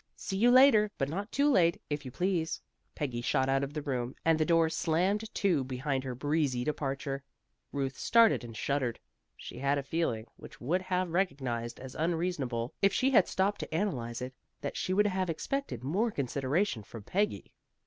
"See you later, but not late, if you please." Peggy shot out of the room, and the door slammed to behind her breezy departure. Ruth started and shuddered. She had a feeling, which she would have recognized as unreasonable if she had stopped to analyze it, that she would have expected more consideration from Peggy.